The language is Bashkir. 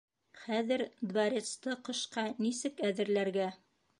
Хәҙер дворецты ҡышҡа нисек әҙерләргә?